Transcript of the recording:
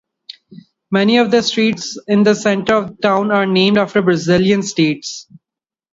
Many of the streets in the center of town are named after Brazilian states.